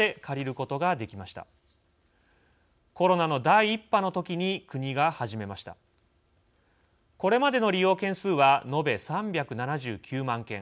これまでの利用件数は延べ３７９万件。